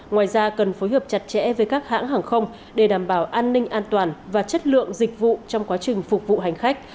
ngoài ra cần phối hợp chặt chẽ với các hãng hàng không để đảm bảo an ninh an toàn và chất lượng dịch vụ trong quá trình phục vụ hành khách